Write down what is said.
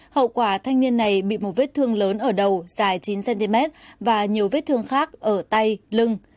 hậu quả thanh niên này bị một vết thương lớn ở đầu dài chín cm và nhiều vết thương khác ở tay lưng